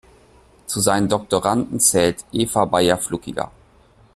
Zu seinen Doktoranden zählt Eva Bayer-Fluckiger.